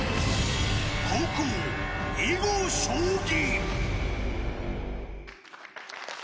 後攻、囲碁将棋。